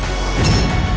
kasih dia duit